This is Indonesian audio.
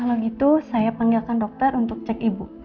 kalau gitu saya panggilkan dokter untuk cek ibu